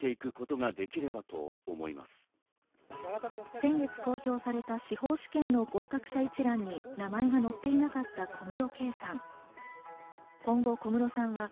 先月公表された司法試験の合格者一覧に名前が載っていなかった小室圭さん。